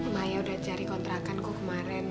maya udah cari kontrakan kok kemarin